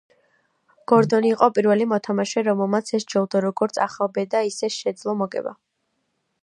გორდონი იყო პირველი მოთამაშე, რომელმაც ეს ჯილდო, როგორც ახალბედა, ისე შეძლო მოგება.